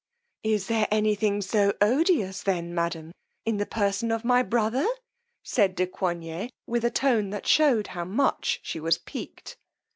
Is there any thing so odious then, madam, in the person of my brother? said de Coigney with a tone that shewed how much she was picqued.